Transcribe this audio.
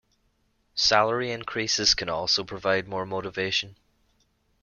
Salary increases can also provide more motivation.